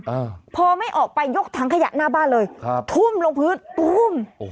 อ่าพอไม่ออกไปยกถังขยะหน้าบ้านเลยครับทุ่มลงพื้นตู้มโอ้โห